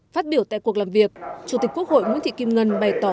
phát biểu tại cuộc làm việc chủ tịch quốc hội nguyễn thị kim ngân bày tỏ